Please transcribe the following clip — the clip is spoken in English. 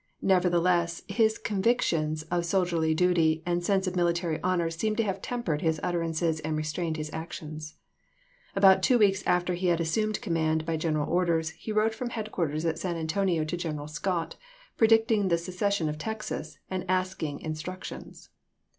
Nevertheless his convic tions of soldierly duty and sense of military honor seem to have tempered his utterances and restrained his actions. About two weeks after he had assumed command by general orders, he wrote Twiggs to fi'oiii headquarters at San Antonio to General Scott, SiSeo. predicting the secession of Texas, and asking in ^;, p". 579?^' structions.